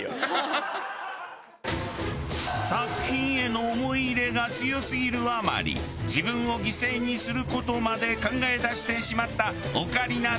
作品への思い入れが強すぎるあまり自分を犠牲にする事まで考え出してしまったオカリナ先生。